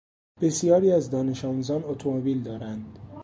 بسیاری از دانش آموزان اتومبیل دارند.